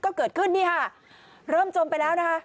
ก็เกิดขึ้นนี่ค่ะเริ่มจมไปแล้วนะคะ